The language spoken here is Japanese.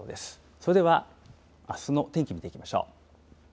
それではあすの天気、見ていきましょう。